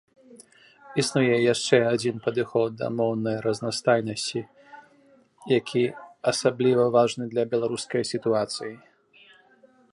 Існуе і яшчэ адзін падыход да моўнай разнастайнасці, які асабліва важны для беларускай сітуацыі.